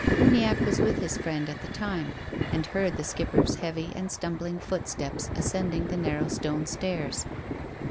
Uniacke was with his friend at the time, and heard the Skipper's heavy and stumbling footsteps ascending the narrow stone stairs.